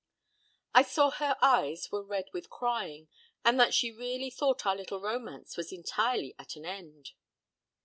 I saw her eyes were red with crying, and that she really thought our little romance was entirely at an end.